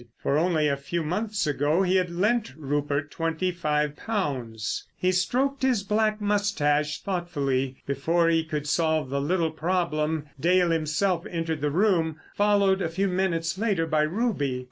For only a few months ago, he had lent Rupert twenty five pounds. He stroked his black moustache thoughtfully. Before he could solve the little problem Dale himself entered the room, followed a few minutes later by Ruby.